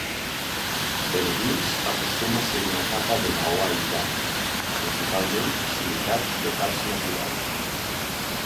Per dins acostuma a ser una capa de maó aïllant, principalment silicat de calci natural.